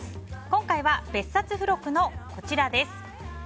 今回は、別冊付録のこちらです。